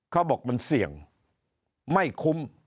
เขาบอกมันเสี่ยงไม่คุ้ม